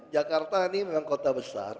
jakarta ini memang kota besar